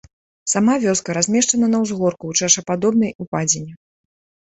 Сама вёска размешчана на ўзгорку ў чашападобнай упадзіне.